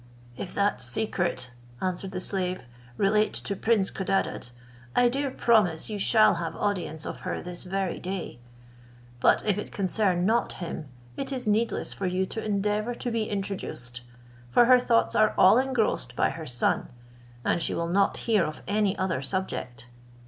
"If that secret," answered the slave, "relate to prince Codadad, I dare promise you shall have audience of her this very day; but if it concern not him, it is needless for you to endeavour to be introduced; for her thoughts are all engrossed by her son, and she will not hear of any other subject."